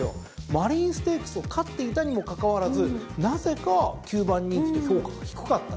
マリーンステークスを勝っていたにもかかわらずなぜか９番人気と評価が低かった。